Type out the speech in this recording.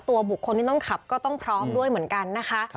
ตัวบุคคลที่ต้องขับก็ต้องพร้อมด้วยเหมือนกันนะคะ